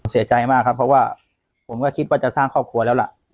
เสียใจมากครับเพราะว่าผมก็คิดว่าจะสร้างครอบครัวแล้วล่ะ